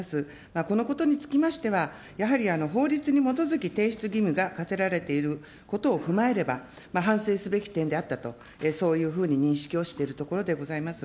このことにつきましては、やはり法律に基づき提出義務が課せられていることを踏まえれば、反省すべき点であったと、そういうふうに認識をしているところでございます。